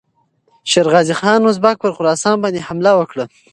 شېرغازي خان اوزبک پر خراسان باندې حمله وکړه.